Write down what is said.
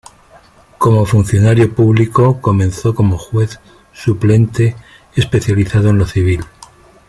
Como funcionario público comenzó como juez suplente especializado en lo civil.